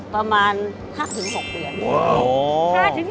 ประมาณ๕๖เดือน